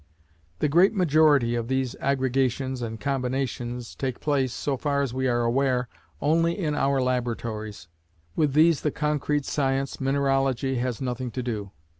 The great majority of these aggregations and combinations take place, so far as we are aware, only in our laboratories; with these the concrete science, Mineralogy, has nothing to do.